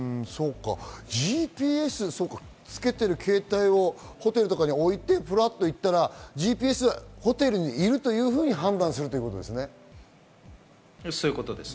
ＧＰＳをつけている携帯をホテルとかに置いて、ぷらっと行ったらホテルにいると判断するということですよね。